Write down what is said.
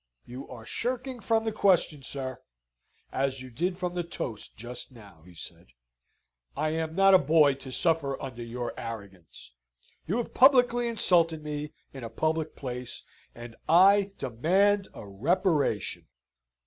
"You are shirking from the question, sir, as you did from the toast just now," he said. "I am not a boy to suffer under your arrogance. You have publicly insulted me in a public place, and I demand a reparation."